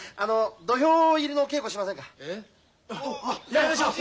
やりましょう！